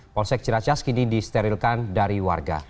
polsek ciracas kini disterilkan dari warga